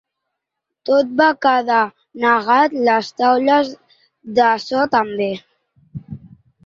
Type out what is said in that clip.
Tot va quedar negat, les taules de so també.